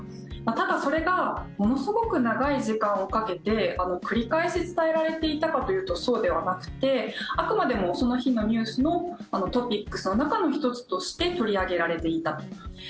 ただ、それがものすごく長い時間をかけて繰り返し伝えられていたかというとそうではなくてあくまでもその日のニュースのトピックスの中の１つとして取り上げられていたと。